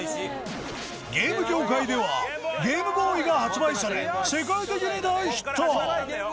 ゲーム業界ではゲームボーイが発売され世界的に大ヒット